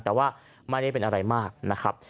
แต่ว่าไม่ได้เป็นอะไรมากนะครับ